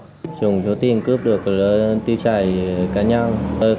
số tiền mà hai đối tượng cướp được là một triệu hai trăm bảy mươi nghìn đồng